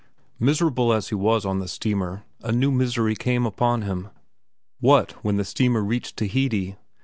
Miserable as he was on the steamer, a new misery came upon him. What when the steamer reached Tahiti?